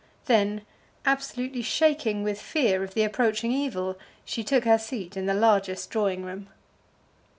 Then, absolutely shaking with fear of the approaching evil, she took her seat in the largest drawing room.